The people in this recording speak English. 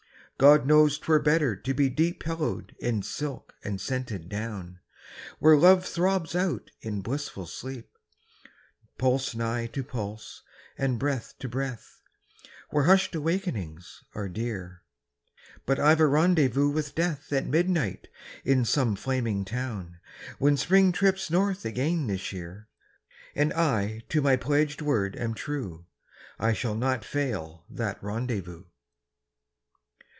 God knows 'twere better to be deep Pillowed in silk and scented down, Where Love throbs out in blissful sleep, Pulse nigh to pulse, and breath to breath, Where hushed awakenings are dear ... But I've a rendezvous with Death At midnight in some flaming town, When Spring trips north again this year, And I to my pledged word am true, I shall not fail that rendezvous.